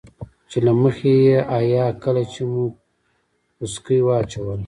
چې له مخې حيا کله چې مو پسکه واچوله.